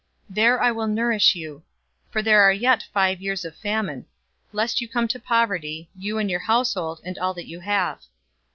045:011 There I will nourish you; for there are yet five years of famine; lest you come to poverty, you, and your household, and all that you have."'